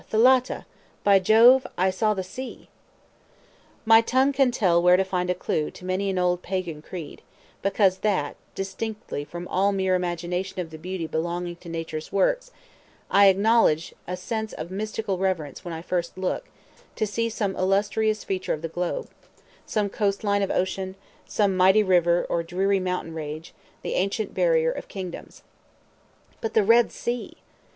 Thalatta! by Jove! I saw the sea! My tongue can tell where to find a clue to many an old pagan creed, because that (distinctly from all mere admiration of the beauty belonging to nature's works) I acknowledge a sense of mystical reverence when first I look, to see some illustrious feature of the globe—some coast line of ocean, some mighty river or dreary mountain range, the ancient barrier of kingdoms. But the Red Sea!